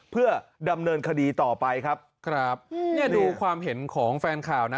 เพื่อดำเนินคดีต่อไปครับครับเนี่ยดูความเห็นของแฟนข่าวนะ